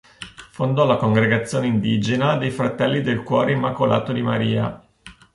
Fondò la congregazione indigena dei Fratelli del Cuore Immacolato di Maria.